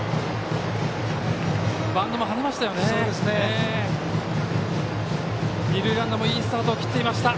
バウンドもはねました。